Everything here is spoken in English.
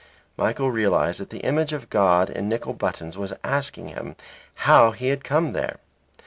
Michael realized that the image of God in nickel buttons was asking him how he had come there.